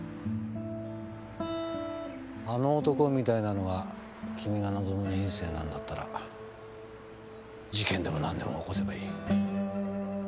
あの男みたいなのが君が望む人生なんだったら事件でも何でも起こせばいい。